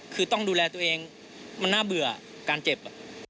คือต้องดูแลตัวเองมันน่าเบื่อการเจ็บ